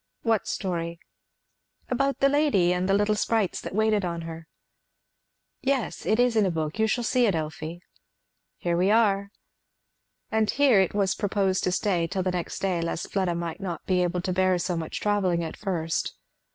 "What story?" "About the lady and the little sprites that waited on her." "Yes, it is in a book; you shall see it, Elfie. Here we are!" And here it was proposed to stay till the next day, lest Fleda might not be able to bear so much travelling at first.